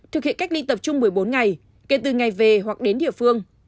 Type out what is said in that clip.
thực hiện cách ly tập trung một mươi bốn ngày kể từ ngày về hoặc đến địa phương